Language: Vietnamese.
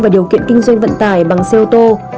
và điều kiện kinh doanh vận tải bằng xe ô tô